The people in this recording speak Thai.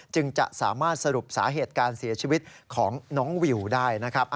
จึงจะสามารถสรุปสาเหตุการเสียชีวิตของน้องวิวได้นะครับ